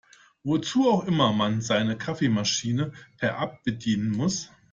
Wozu auch immer man seine Kaffeemaschine per App bedienen muss.